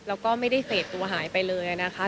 แล้วก็ไม่ได้เสพตัวหายไปเลยนะคะ